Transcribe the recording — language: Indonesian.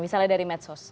misalnya dari medsos